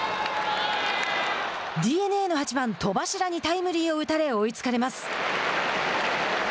ＤｅＮＡの８番戸柱にタイムリーを打たれ追いつかれます。